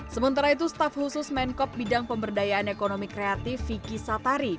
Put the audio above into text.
sementara itu staf khusus menkop bidang pemberdayaan ekonomi kreatif vicky satari